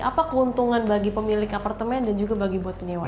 apa keuntungan bagi pemilik apartemen dan juga bagi buat penyewa